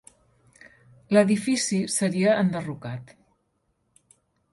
L'edifici seria enderrocat.